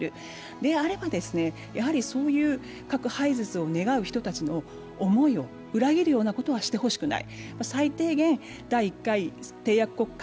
であれば、そういう核廃絶を願う人たちの思いを裏切るようなことはしてほしくない。